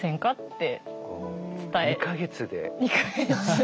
２か月で。